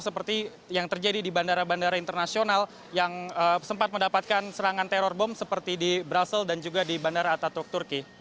seperti yang terjadi di bandara bandara internasional yang sempat mendapatkan serangan teror bom seperti di brazil dan juga di bandara ataturk turki